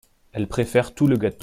Elle préfère tout le gâteau.